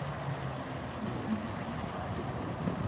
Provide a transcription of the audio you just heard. Give it a name.